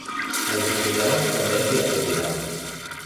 Els estudiants també s'hi afegiran.